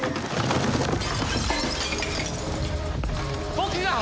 僕が！